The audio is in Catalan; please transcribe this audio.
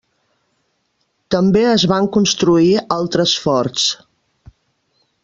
També es van construir altres forts.